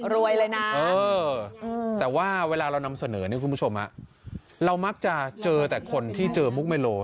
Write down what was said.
เลยนะแต่ว่าเวลาเรานำเสนอเนี่ยคุณผู้ชมเรามักจะเจอแต่คนที่เจอมุกเมโล